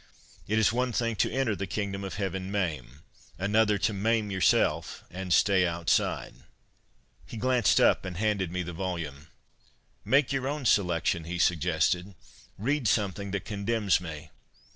It is one thing to enter the kingdom of heaven maim ; another to maim yourself and stay outside." ' THROUGH ROSE COLOURED SPECTACLES H3 He glanced up and handed me the volume. ' Make your own selection,' he suggested ;' read something that condemns me.'